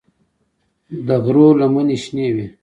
د غرونو لمنې شنه وې.